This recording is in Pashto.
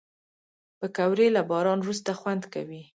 پکورې له باران وروسته خوند کوي